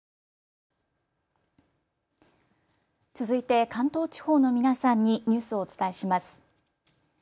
続いて関東地方の皆さんにニュースをお伝えします。